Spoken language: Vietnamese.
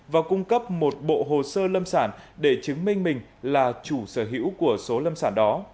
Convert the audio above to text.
và cung cấp một bộ hồ sơ lâm sản để chứng minh mình là chủ sở hữu của số lâm sản đó